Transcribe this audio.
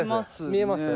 見えます？